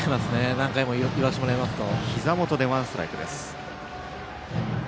何回も言わせてもらいますと。